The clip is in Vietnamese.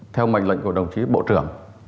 theo mệnh lệnh của đồng chí bộ trưởng